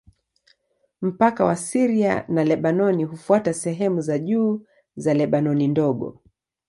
Mpaka wa Syria na Lebanoni hufuata sehemu za juu za Lebanoni Ndogo.